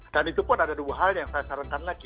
dan itu pun ada dua hal yang saya sarankan lagi